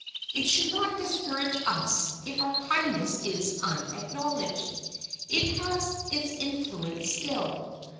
It should not discourage us if our kindness is unacknowledged; it has its influence still.